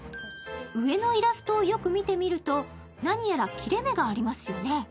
上のイラストをよく見てみると、何やら切れ目がありますよね。